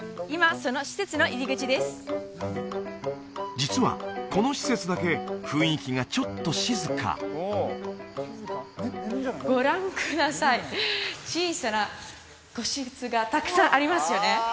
実はこの施設だけ雰囲気がちょっと静かご覧ください小さな個室がたくさんありますよね